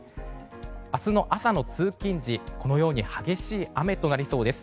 明日の朝の通勤時激しい雨となりそうです。